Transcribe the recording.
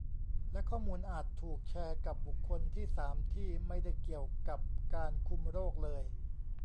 และข้อมูลอาจถูกแชร์กับบุคคลที่สามที่ไม่ได้เกี่ยวกับการคุมโรคเลย